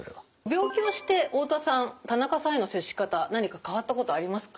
病気をして太田さん田中さんへの接し方何か変わったことありますか？